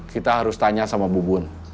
kita harus tanya sama bu bun